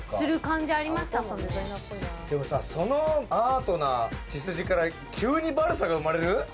でも、そのアートな血筋から急にバルサが生まれる？